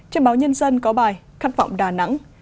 trên báo nhân dân có bài khát vọng đà nẵng